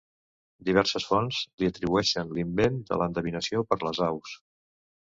Diverses fonts li atribueixen l'invent de l'endevinació per les aus.